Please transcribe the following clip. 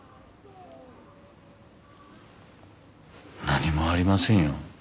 何もありませんよ